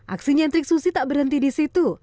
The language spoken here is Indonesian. aksi nyentrik susi tak berhenti di situ